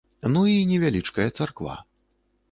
Ну і невялічкая царква.